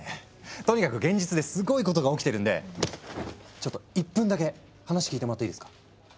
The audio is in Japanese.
とにかく現実ですごいことが起きてるんでちょっと１分だけ話聞いてもらっていいですか？